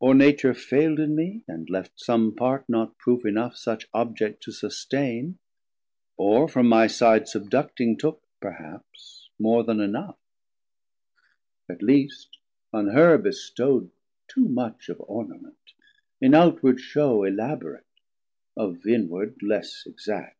Or Nature faild in mee, and left some part Not proof enough such Object to sustain, Or from my side subducting, took perhaps More then enough; at least on her bestow'd Too much of Ornament, in outward shew Elaborate, of inward less exact.